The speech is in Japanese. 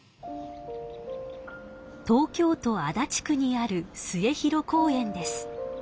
東京都足立区にある末広公園です。